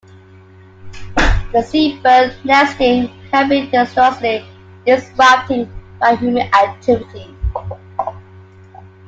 The seabird nesting can be disastrously disrupted by human activity.